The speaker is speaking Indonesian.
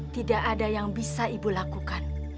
tidak ada yang bisa ibu lakukan